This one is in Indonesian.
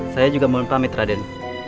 saya juga mohon pamit raden